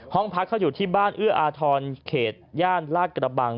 ห้องพักเขาอยู่ที่บ้านเอื้ออาทรเขตย่านลาดกระบัง